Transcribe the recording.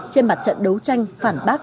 trên mặt trận đấu tranh phản bác